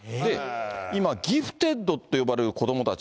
今、ギフテッドって呼ばれる子どもたち。